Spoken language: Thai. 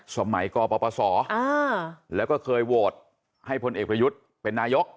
สมัยกปศแล้วก็เคยโหวตให้พลเอกประยุทธ์เป็นนายก